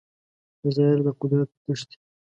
په ظاهره له قدرته تښتي